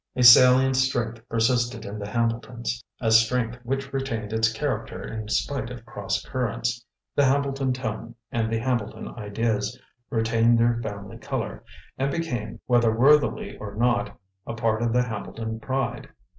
A salient strength persisted in the Hambletons a strength which retained its character in spite of cross currents. The Hambleton tone and the Hambleton ideas retained their family color, and became, whether worthily or not, a part of the Hambleton pride.